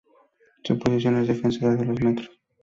Su posición es defensora de dos metros.